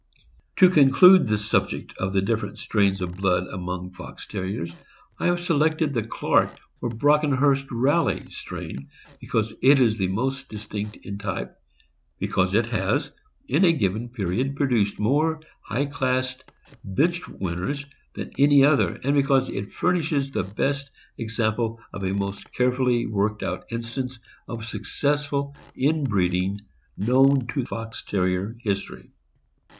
To conclude the subject of the different strains of blood among Fox Terriers, I have selected the Clark, or Brocken hurst Rally strain, because it is the most distinct in type, because it has, in a given period, produced more high class bench winners than any other, and because it furnishes the best example of a most carefully worked out instance of successful inbreeding known to Fox Terrier history.